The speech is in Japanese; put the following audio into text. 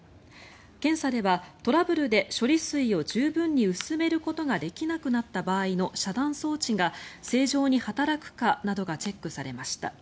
検査では、トラブルで処理水を十分に薄めることができなくなった場合の遮断装置が正常に働くかなどがチェックされました。